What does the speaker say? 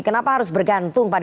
kenapa harus bergantung